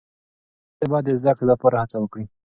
ښځې باید د زدهکړې لپاره هڅه وکړي.